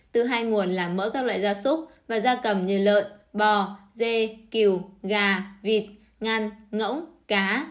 từ hai nguồn là mỡ các loại gia súc và da cầm như lợn bò dê kiều gà vịt ngăn ngỗng cá